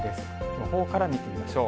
予報から見てみましょう。